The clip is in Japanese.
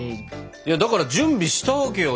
だから準備したわけよ。